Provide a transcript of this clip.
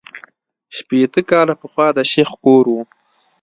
شپېته کاله پخوا د شیخ کور وو.